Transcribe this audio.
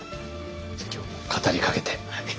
じゃあ今日も語りかけて。